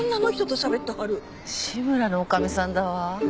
志むらの女将さんだわ。